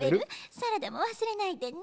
「サラダもわすれないでね